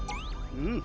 うん。